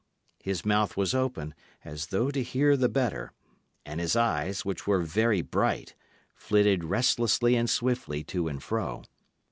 His mouth was open, as though to hear the better; and his eyes, which were very bright, flitted restlessly and swiftly to and fro.